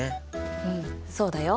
うんそうだよ。